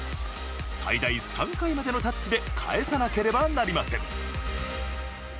最大３回までのタッチで返さなければなりません。